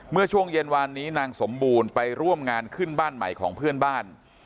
เมื่อช่วงเย็นวานนี้นางสมบูรณ์ไปร่วมงานขึ้นบ้านใหม่ของเพื่อนบ้าน